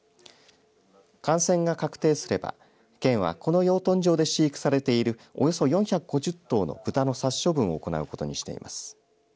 感染が確定すれば県はこの養豚場で飼育されているおよそ４５０頭の豚の殺処分を行うことにしています。